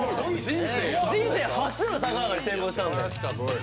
人生初の逆上がりに成功したんで。